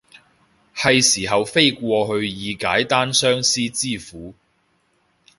係時候飛過去以解單相思之苦